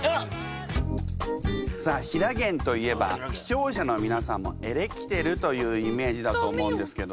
さあひらげんといえば視聴者の皆さんもエレキテルというイメージだと思うんですけど。